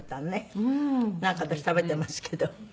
なんか私食べていますけど。